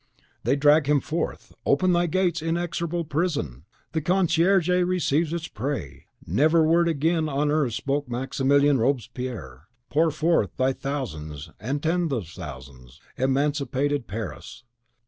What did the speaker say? They drag him forth! Open thy gates, inexorable prison! The Conciergerie receives its prey! Never a word again on earth spoke Maximilien Robespierre! Pour forth thy thousands, and tens of thousands, emancipated Paris!